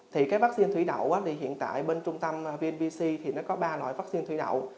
thì cái vaccine thủy đậu thì hiện tại bên trung tâm vnpc thì nó có ba loại vaccine thủy đậu